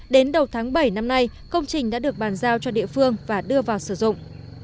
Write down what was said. đến đầu tháng bảy năm nay công trình đã được bàn giao cho địa phương và đưa vào sử dụng